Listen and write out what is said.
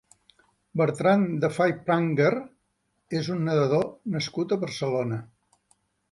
Bertrand de Five Pranger és un nedador nascut a Barcelona.